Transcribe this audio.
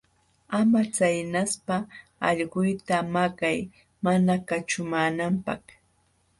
Ama chaynaspa allquyta maqay mana kaćhumaananpaq.